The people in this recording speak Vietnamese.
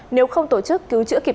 nếu không tổ chức cứu chữa kịp